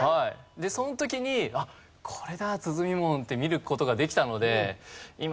でその時に「これだ！鼓門」って見る事ができたので今。